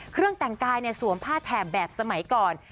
เครื่องแต่งกายสวมผ้าแถบแบบสมัยก่อน